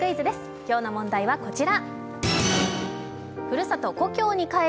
今日の問題はこちら。